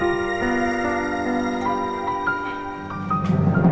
aku mau dateng awal